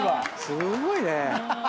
すーごいね。